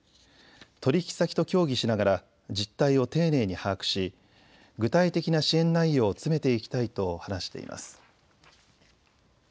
取引先と協議しながら実態を丁寧に把握し具体的な支援内容を詰めていきたいと話しています。